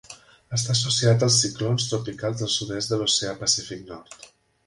Està associat als ciclons tropicals del sud-est de l'oceà Pacífic Nord.